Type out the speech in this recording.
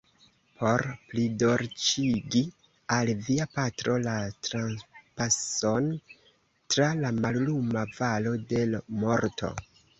por plidolĉigi al via patro la trapason tra la malluma valo de l’morto.